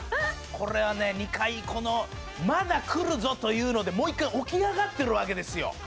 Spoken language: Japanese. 「これはね２回このまだ来るぞというのでもう一回起き上がってるわけですよ」